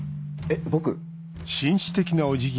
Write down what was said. えっ僕？